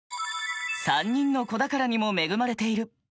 ３人の子宝にも恵まれている。